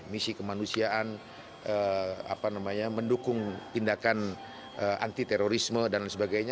misi kemanusiaan mendukung tindakan anti terorisme dan lain sebagainya